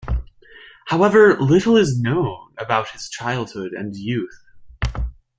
However, little is known about his childhood and youth.